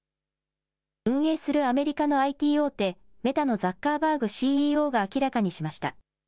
運営するアメリカのＩＴ大手、メタのザッカーバーグＣＥＯが明らかにしました。